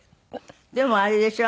でもあれでしょ？